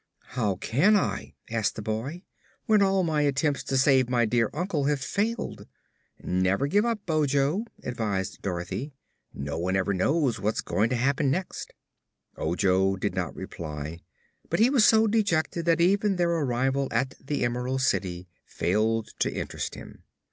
"How can I?" asked the boy, "when all my attempts to save my dear uncle have failed?" "Never give up, Ojo," advised Dorothy. "No one ever knows what's going to happen next." Ojo did not reply, but he was so dejected that even their arrival at the Emerald City failed to interest him.